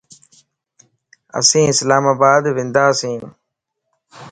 اسين اسلام آباد ونداسين